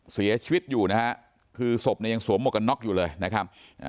เสียชีวิตอยู่นะฮะคือศพเนี่ยยังสวมหมวกกันน็อกอยู่เลยนะครับ